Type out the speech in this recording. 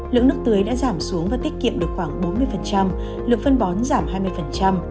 lượng nước tưới đã giảm xuống và tiết kiệm được khoảng bốn mươi lượng phân bón giảm hai mươi